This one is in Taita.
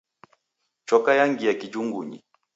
Choka yangia kijungunyi.